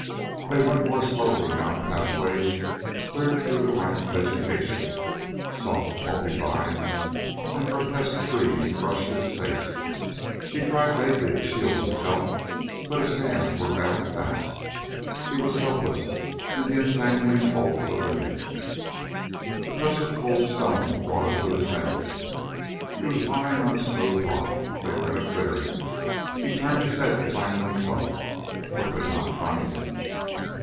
They went more slowly down pathways cleared through the rank vegetation. Soft, pulpy vines from the grotesque trees brushed his face. He tried vaguely to shield himself, but his hands were bound fast. He was helpless in the entangling folds of the net. The touch of cold stone brought him to his senses. He was lying on smooth rock. They were in a clearing. He turned his head to find Winslow, but could not find him.